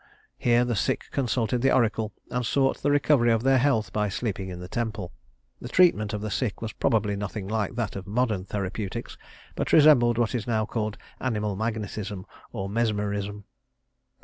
Here the sick consulted the oracle and sought the recovery of their health by sleeping in the temple. The treatment of the sick was probably nothing like that of modern therapeutics, but resembled what is now called animal magnetism or mesmerism.